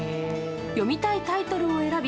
読みたいタイトルを選び